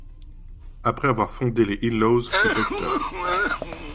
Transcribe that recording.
Après avoir fondé les In-Laws puis Dr.